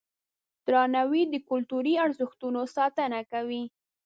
درناوی د کلتوري ارزښتونو ساتنه کوي.